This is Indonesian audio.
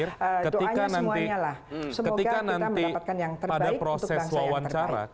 semoga kita mendapatkan yang terbaik untuk bangsa yang terbaik